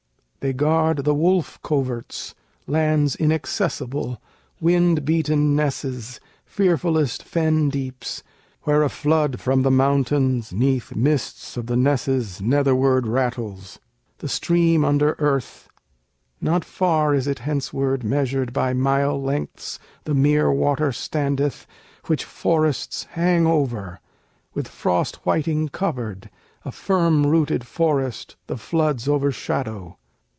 They guard the wolf coverts, Lands inaccessible, wind beaten nesses, Fearfullest fen deeps, where a flood from the mountains 'Neath mists of the nesses netherward rattles, The stream under earth: not far is it henceward Measured by mile lengths the mere water standeth, Which forests hang over, with frost whiting covered, A firm rooted forest, the floods overshadow.